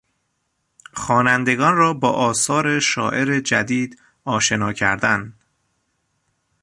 خوانندگان را با آثار شاعر جدید آشنا کردن